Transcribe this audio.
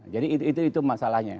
jadi itu masalahnya